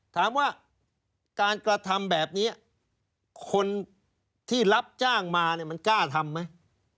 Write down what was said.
ถามว่าการกระทำแบบนี้คนที่รับจ้างมาเนี่ยมันกล้าทำไหม